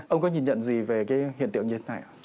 ông có nhìn nhận gì về hiện tượng như thế này